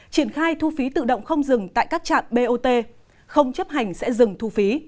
triển khai thu phí tự động không dừng tại các trạm bot không chấp hành sẽ dừng thu phí